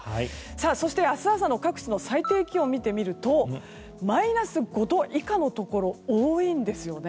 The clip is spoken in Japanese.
そして、明日朝の各地の最低気温を見てみるとマイナス５度以下のところが多いんですよね。